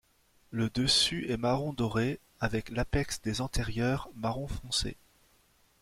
Le dessus est marron doré avec l'apex des antérieures marron foncé.